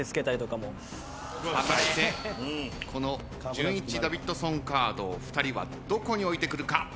果たしてこのじゅんいちダビッドソンカードを２人はどこに置いてくるか。